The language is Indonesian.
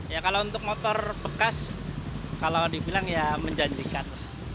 ya kalau untuk motor bekas kalau dibilang ya menjanjikan